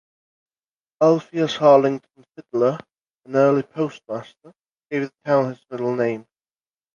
Alfious Arlington Fidler, an early postmaster, gave the town his middle name.